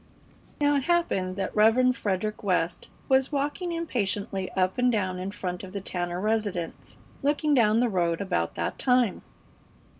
Now it happened that Rev. Frederick West was walking impatiently up and down in front of the Tanner residence, looking down the road about that time.